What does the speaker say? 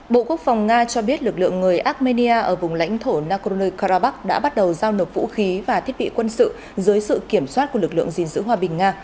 bộ quốc phòng nga cho biết lực lượng người armenia ở vùng lãnh thổ nagorno karabakh đã bắt đầu giao nộp vũ khí và thiết bị quân sự dưới sự kiểm soát của lực lượng gìn giữ hòa bình nga